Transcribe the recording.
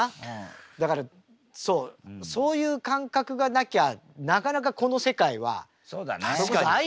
だからそうそういう感覚がなきゃなかなかこの世界はそれこそアイドルだってそうじゃん。